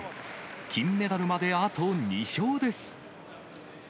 金メダルまであと２勝です。